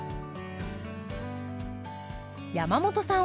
山本さん